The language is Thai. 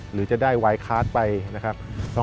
หรือจะได้วายคลาสไปนะครับ